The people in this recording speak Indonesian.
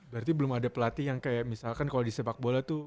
berarti belum ada pelatih yang kayak misalkan kalau di sepak bola tuh